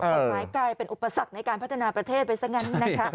กฎหมายกลายเป็นอุปสรรคในการพัฒนาประเทศไปซะงั้นนะคะ